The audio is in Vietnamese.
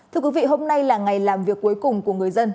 thưa quý vị hôm nay là ngày làm việc cuối cùng của người dân